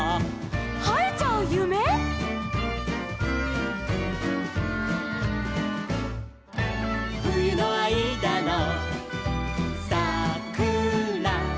「はえちゃうゆめ」「ふゆのあいだのさくら」